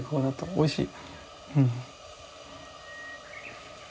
おいしい。